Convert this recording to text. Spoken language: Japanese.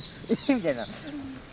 みたいな。